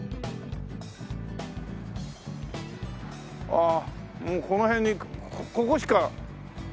ああもうこの辺にここしか店ないよ？